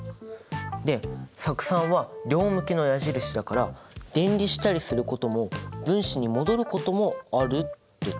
で酢酸は両向きの矢印だから電離したりすることも分子に戻ることもあるってこと？